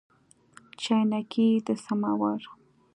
چاینکي د سماوار